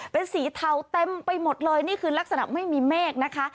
เป็นสีเทาเต็มไปหมดเลยนี่คือลักษณะไม่มีเมฆนะคะ